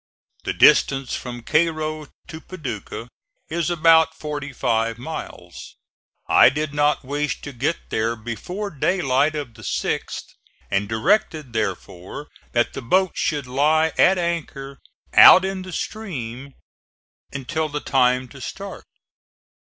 The distance from Cairo to Paducah is about forty five miles. I did not wish to get there before daylight of the 6th, and directed therefore that the boats should lie at anchor out in the stream until the time to start.